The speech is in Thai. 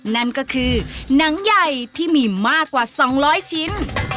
นั่นก็คือนังใหญ่ที่มีมากกว่าสองร้อยชิ้น